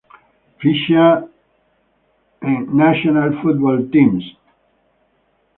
Ficha en National Football Teams.